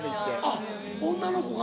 あっ女の子が？